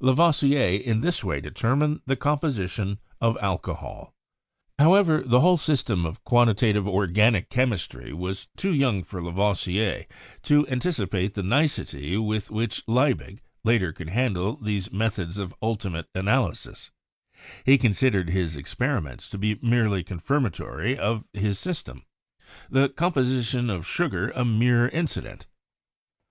Lavoisier in this way deter mined the composition of alcohol. However, the whole system of quantitative organic chemistry was too young for Lavoisier to anticipate the nicety with which Liebig, later, could handle these methods of ultimate analysis; he considered his experi ments to be merely confirmatory of his system, the com position of sugar a mere incident.